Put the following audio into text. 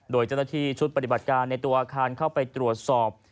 โดยเจ้าหน้าที่ชุดปฏิบัติการในตัวอาคารเข้าไปตรวจสอบ